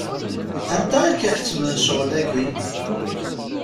Anta i k-iḥettmen ccɣel-agi?